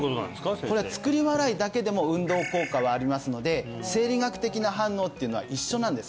先生これは作り笑いだけでも運動効果はありますので生理学的な反応っていうのは一緒なんです